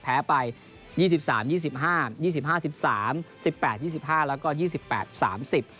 แพ้ไปยี่สิบสามยี่สิบห้ายี่สิบห้าสิบสามสิบแปดยี่สิบห้าแล้วก็ยี่สิบแปดสามสิบ